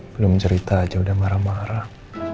belum cerita aja udah marah marah